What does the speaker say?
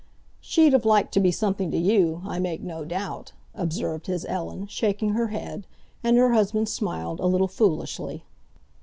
"She'd have liked to be something to you, I make no doubt," observed his Ellen, shaking her head, and her husband smiled, a little foolishly.